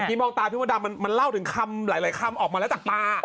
ตอนนี้มองตาพี่ประดามมันเล่าถึงคำหลายคำออกมาแล้วจากตา